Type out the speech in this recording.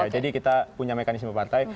jadi kita punya mekanisme partai